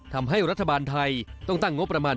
ทำให้รัฐบาลไทยต้องตั้งงบประมาณ